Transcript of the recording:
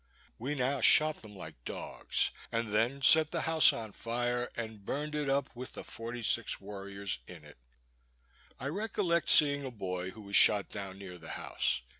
We now shot them like dogs; and then set the house on fire, and burned it up with the forty six warriors in it. I recollect seeing a boy who was shot down near the house.